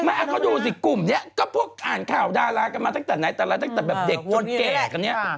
ไม่เขาดูสิกลุ่มนี้ก็พวกอ่านข่าวดารากันมาตั้งแต่ไหนแต่ไรตั้งแต่แบบเด็กจนแก่กันเนี่ย